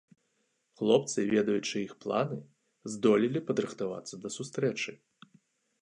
Хлопцы, ведаючы іх планы, здолелі падрыхтавацца да сустрэчы.